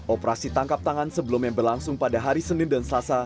operasi tangkap tangan sebelumnya berlangsung pada hari senin dan selasa